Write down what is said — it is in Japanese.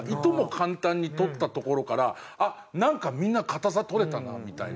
簡単に捕ったところから「あっなんかみんな硬さ取れたな」みたいな。